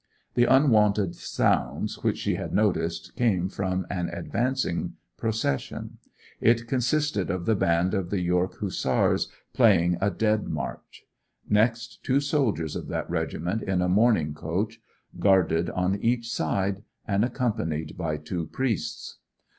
The unwonted sounds which she had noticed came from an advancing procession. It consisted of the band of the York Hussars playing a dead march; next two soldiers of that regiment in a mourning coach, guarded on each side, and accompanied by two priests.